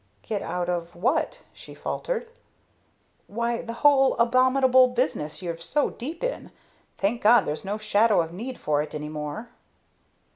"Get out of what?" she faltered. "Why, the whole abominable business you're so deep in here. Thank God, there's no shadow of need for it any more!"